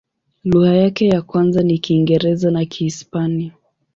Lugha yake ya kwanza ni Kiingereza na Kihispania.